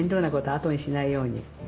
あとにしないように。